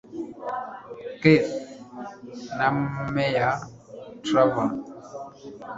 keith na maya traver